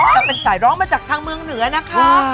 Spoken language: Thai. แต่เป็นสายร้องมาจากทางเมืองเหนือนะคะ